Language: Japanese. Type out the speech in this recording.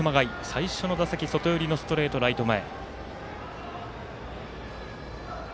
最初の打席、外寄りのストレートライト前。